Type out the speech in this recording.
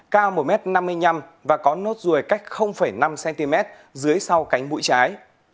cao một m năm mươi năm và có nốt ruồi cách năm cm dưới sau cánh mũi trái